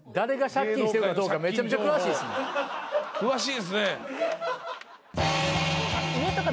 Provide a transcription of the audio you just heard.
詳しいですね。